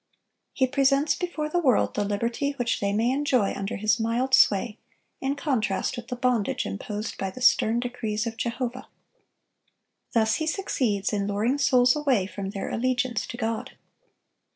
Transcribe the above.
He presents before the world the liberty which they may enjoy under his mild sway, in contrast with the bondage imposed by the stern decrees of Jehovah. Thus he succeeds in luring souls away from their allegiance to God.